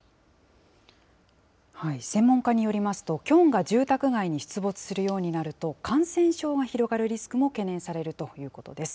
専門家によりますと、キョンが住宅街に出没するようになると、感染症が広がるリスクも懸念されるということです。